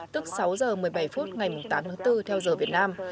tức sáu h một mươi bảy phút ngày tám tháng bốn theo giờ việt nam